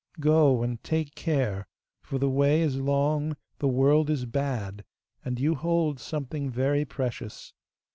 Go, and take care, for the way is long, the world is bad, and you hold something very precious.